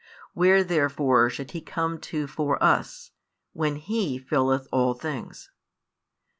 Where therefore should He come to for us, when He filleth all things?